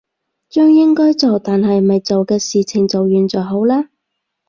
將應該做但係未做嘅事情做完就好啦